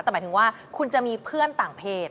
แต่หมายถึงว่าคุณจะมีเพื่อนต่างเพศ